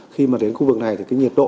khi đến khu vực này thì nhiệt độ